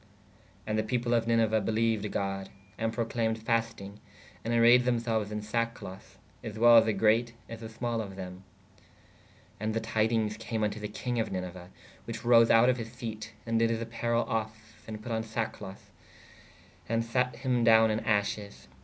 ¶ And the people of Niniue beleued God/ and proclaymed fastynge/ ād arayed them selues in sackcloth/ as well the greate as the small of them. ¶ And [the] tydinges came vn to the kinge of Niniue/ which arose out of his sete/ and did his apparell of & put on sackcloth/ & sate hī downe in asshes.